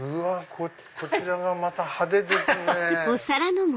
こちらまた派手ですね。